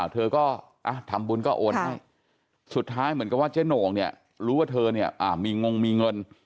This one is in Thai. เธอก็ทำบุญก็โอนสุดท้ายเหมือนกับว่าเจ๊โหน่งรู้ว่าเธอมีงงมีเงิน